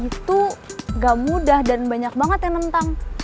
itu gak mudah dan banyak banget yang nentang